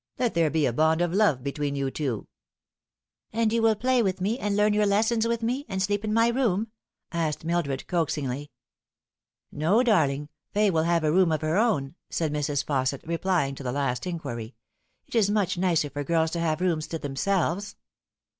Let there be a bond of love between you two." " And will you play with me, and learn your lessons with me, and sleep in my room ?" asked Mildred coaxingly. " No, darling. Fay will have a room of her own," said Mrs. Fausset, replying to the last inquiry. " It is much nicer for girls to have rooms to themselves."